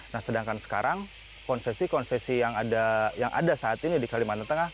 nah sedangkan sekarang konsesi konsesi yang ada saat ini di kalimantan tengah